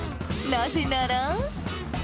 なぜなら。